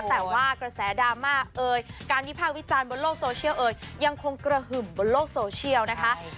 แต่ว่ากระแสดราม่าเอ่ยการวิภาควิจารณ์บนโลกโซเชียลเอ่ยยังคงกระหึ่มบนโลกโซเชียลนะคะ